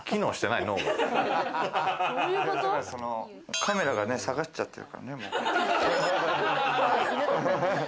カメラが下がっちゃってるからね。